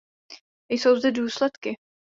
Jsou zde důsledky.